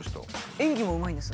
演技もうまいんです。